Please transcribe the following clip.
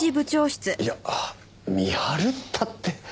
いや見張るったって。